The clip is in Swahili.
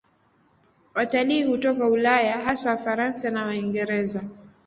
Watalii hutoka Ulaya, hasa Wafaransa na Waingereza.